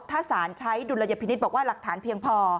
ถ้าสารใช้ดุลยพินิษฐ์บอกว่าหลักฐานเพียงพอ